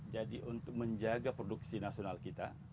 jadi untuk menjaga produksi nasional kita